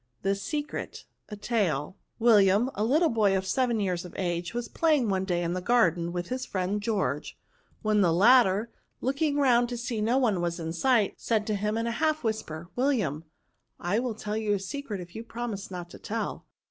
'* THE SECRET J A TAI/I* William, a little boy of seven years of age, was playing one day in the garden, with his friend George, when the latter, looking 159 NOUNS» round to see that no one was in sights said to him in a half whisper, " William, I will tell you a secret if you will promise not to tell."